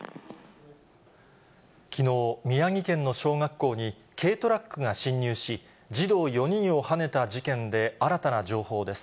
きのう、宮城県の小学校に、軽トラックが侵入し、児童４人をはねた事件で新たな情報です。